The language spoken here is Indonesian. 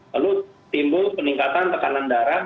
lalu timbul peningkatan tekanan darah